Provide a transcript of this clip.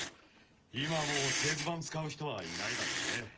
今はもう製図板使う人はいないだろうね。